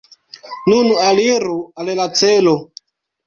Nun aliru al la celo!